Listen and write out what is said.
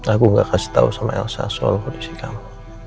aku gak kasih tau sama elsa soal kondisi kamu